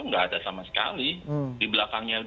nggak ada sama sekali di belakangnya